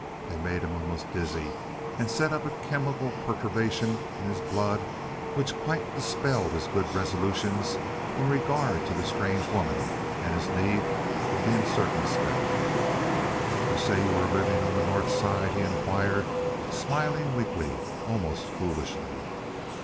They made him almost dizzy, and set up a chemical perturbation in his blood which quite dispelled his good resolutions in regard to the strange woman and his need of being circumspect. "You say you are living on the North Side?" he inquired, smiling weakly, almost foolishly.